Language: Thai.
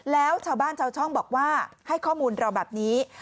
แล้วชาวบ้านชาวช่องบอกว่าให้ข้อมูลเราแบบนี้